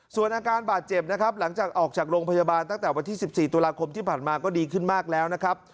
ส่วนอาการบาดเจ็บนะครับหลังจากออกจากโรงพยาบาลตั้งแต่วันที่๑๔ตุลาคมที่ผ่านมาก็ดีขึ้นมากแล้วนะครับ